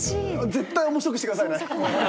絶対面白くしてくださいね。